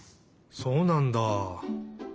そうなんだ。